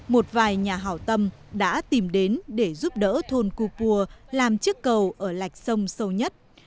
một vài nhà hào tâm đã tìm đến để giúp đỡ thôn kupua làm chiếc cầu ở lạch sông sâu nhất